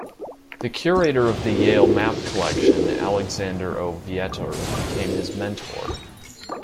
The curator of the Yale map collection, Alexander O. Vietor, became his mentor.